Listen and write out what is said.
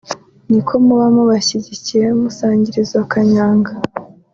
Ni uko muba mubashyigikiye musangira izo kanyanga